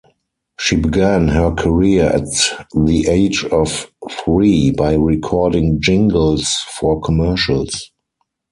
She began her career at the age of three by recording jingles for commercials.